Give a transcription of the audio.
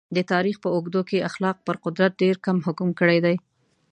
د تاریخ په اوږدو کې اخلاق پر قدرت ډېر کم حکم کړی دی.